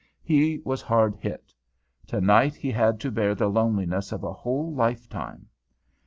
He was hard hit. Tonight he had to bear the loneliness of a whole lifetime.